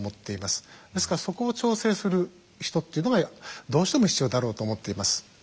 ですからそこを調整する人っていうのがどうしても必要だろうと思っています。